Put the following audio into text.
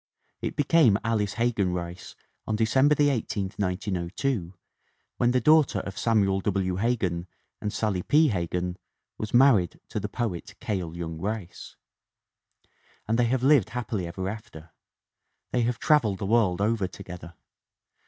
It became Alice Hegan Rice on December 18, 1902, when the daughter of Samuel W. Hegan and Sallie P. Hegan was married to the poet Cale Young Rice. And they have lived happily ever after. They have traveled the world over to gether.